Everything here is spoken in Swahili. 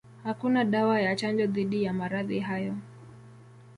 Hakuna dawa ya chanjo dhidi ya maradhi hayo.